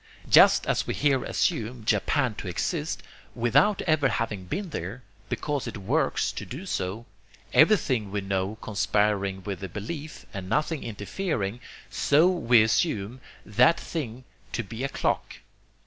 Just as we here assume Japan to exist without ever having been there, because it WORKS to do so, everything we know conspiring with the belief, and nothing interfering, so we assume that thing to be a clock.